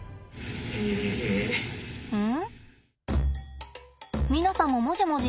うん？